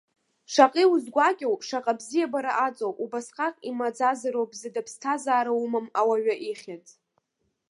Шаҟа иузгәакьоу, шаҟа абзиабара аҵоу, убасҟак имаӡазароуп зыда ԥсҭазаара умам ауаҩы ихьӡ.